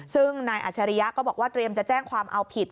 ซึ่งนายอัชริยะก็บอกว่าเตรียมจะแจ้งความเอาผิด